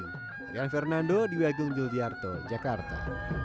arian fernando di wagung juliarto jakarta